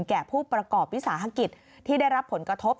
แก่ผู้ประกอบวิสาหกิจที่ได้รับผลกระทบ